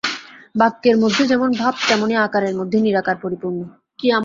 বাক্যের মধ্যে যেমন ভাব তেমনি আকারের মধ্যে নিরাকার পরিপূর্ণ।